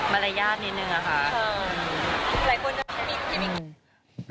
มารยาทนิดนึงนะคะ